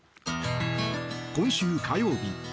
今週火曜日